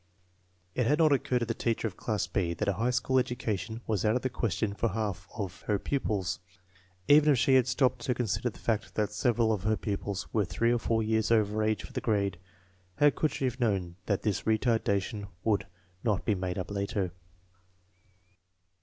It had not occurred to the teacher of class B that a high school education was out of the question for half of her pupils. Even if she had stopped to consider the fact that several of 72 INTELLIGENCE OF SCHOOL CHILDREN her pupils were three or four years over age for the grade, how could she have known that this retardation would not be made up later?